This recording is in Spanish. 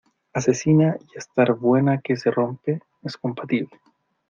asesina y estar buena que se rompe? es compatible.